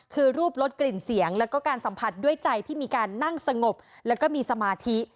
คือรูปลดกลิ่นเสียงแล้วก็การสัมผัสด้วยใจที่มีการนั่งสงบแล้วก็มีสมาธิ